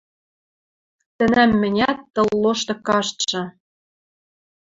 Тӹнӓм мӹнят, тыл лошты каштшы